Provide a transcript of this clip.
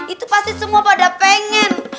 itu pasti semua pada pengen